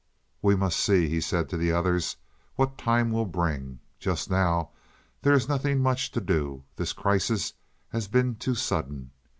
"We must see," he said to the others, "what time will bring. Just now there is nothing much to do. This crisis has been too sudden.